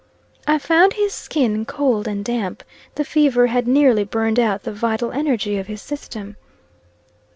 I found his skin cold and damp. The fever had nearly burned out the vital energy of his system.